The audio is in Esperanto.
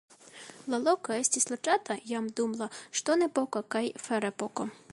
La loko estis loĝata jam dum la ŝtonepoko kaj ferepoko.